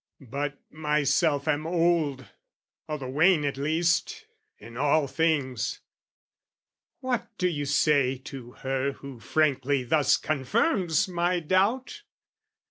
But myself am old, O' the wane at least, in all things: what do you say To her who frankly thus confirms my doubt?